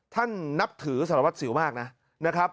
ท่านนับถือสารวัสสิวมากนะนะครับ